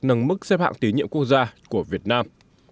nâng mức xếp hạng tín nhiệm quốc gia của việt nam